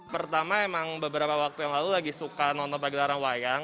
pertama memang beberapa waktu yang lalu lagi suka nonton pagi larang wayang